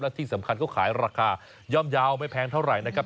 ที่สำคัญเขาขายราคาย่อมเยาว์ไม่แพงเท่าไหร่นะครับ